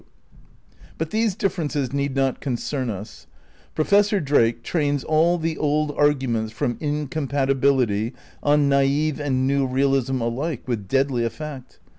But these differences need not concern us. Professor Drake ^ trains all the old arguments from incompatibility on naif and new realism alike with deadly effect.